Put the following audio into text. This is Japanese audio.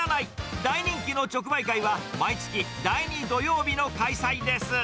大人気の直売会は、毎月第２土曜日の開催です。